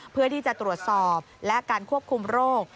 เพื่อที่จะตรวจสอบและการควบคุมโรค